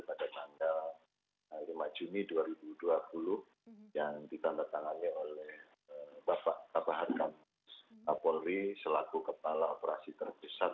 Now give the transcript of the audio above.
pada tanggal lima juni dua ribu dua puluh yang ditandatangani oleh bapak kabahan kampus kapolri selaku kepala operasi terbesar